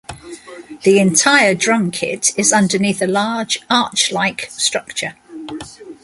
The entire drum kit is underneath a large arch-like structure.